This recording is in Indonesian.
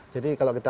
jadi kalau kita